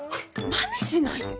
まねしないで！